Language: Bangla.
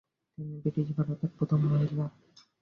তিনি ব্রিটিশ ভারতের প্রথম মহিলা ম্যাজিস্ট্রেট হন।